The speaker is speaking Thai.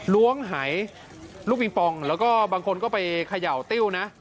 ล้วงหายลูกปิงปองแล้วก็บางคนก็ไปเขย่าติ้วนะ